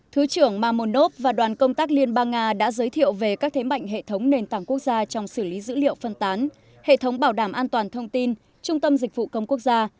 thứ trưởng mahmonov và đoàn công tác liên bang nga đã giới thiệu về các thế mạnh hệ thống nền tảng quốc gia trong xử lý dữ liệu phân tán hệ thống bảo đảm an toàn thông tin trung tâm dịch vụ công quốc gia